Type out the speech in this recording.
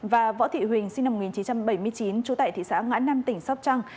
và võ thị huỳnh sinh năm một nghìn chín trăm bảy mươi chín trú tại thị xã ngã năm tỉnh sóc trăng